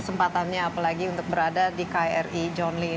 kesempatannya apalagi untuk berada di kri john lee ini